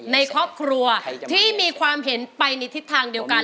ในครอบครัวที่มีความเห็นไปในทิศทางเดียวกัน